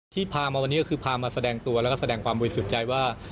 พามาวันนี้ก็คือพามาแสดงตัวแล้วก็แสดงความบริสุทธิ์ใจว่า